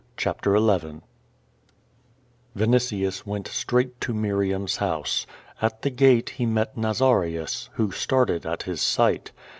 CHAPTER XI. 1 Vinitius went straight to Miriam's house. At the gate he met Nazarius, who started at his sight.